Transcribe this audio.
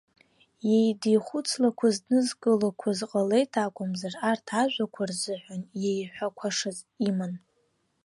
Иеидихәыцлақәоз, днызкылақәоз ҟалеит акәымзар, арҭ ажәақәа рзыҳәан иеиҳәақәашаз иман.